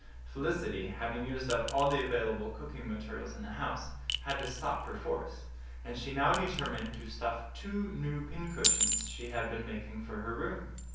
Felicity, having used up all the available cooking materials in the house, had to stop perforce; and she now determined to stuff two new pincushions she had been making for her room.